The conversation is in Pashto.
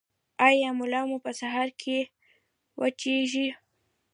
ایا ملا مو په سهار کې وچیږي؟